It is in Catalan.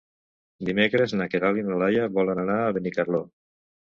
Dimecres na Queralt i na Laia volen anar a Benicarló.